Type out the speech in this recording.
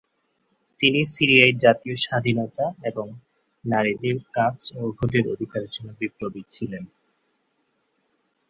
তিনি সিরিয়ায় জাতীয় স্বাধীনতা এবং নারীদের কাজ ও ভোটের অধিকারের জন্য বিপ্লবী ছিলেন।